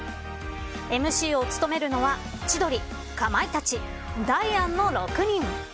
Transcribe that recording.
ＭＣを務めるのは千鳥、かまいたちダイアンの６人。